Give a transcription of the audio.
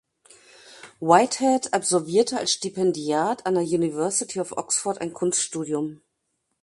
Whitehead absolvierte als Stipendiat an der University of Oxford ein Kunststudium.